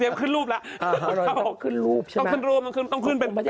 อร่อยต้องขึ้นรูปใช่ไหมต้องขึ้นรูปต้องขึ้นเป็นป่าเถอะ